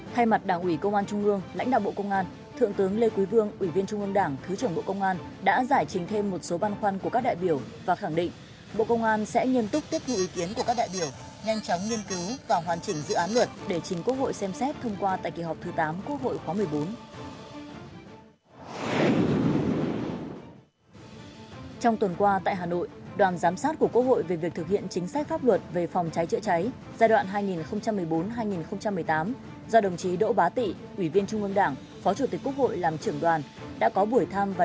thay mặt đảng ủy công an trung ương lãnh đạo bộ công an thượng tướng lê quý vương ủy viên trung ương đảng thứ trưởng bộ công an đã giải trình thêm một số ban khoăn của các đại biểu và khẳng định bộ công an sẽ nhân tức tiếp thu ý kiến của các đại biểu nhanh chóng nghiên cứu và hoàn chỉnh dự án luật để chính quốc hội xem xét thông qua tại kỳ họp thứ tám quốc hội khóa một mươi bốn